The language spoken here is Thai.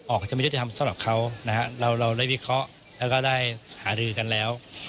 อาจจะไม่ยุติธรรมสำหรับเขานะฮะเราได้วิเคราะห์แล้วก็ได้หารือกันแล้ว